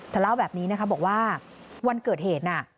เล่าแบบนี้นะคะบอกว่าวันเกิดเหตุน่ะ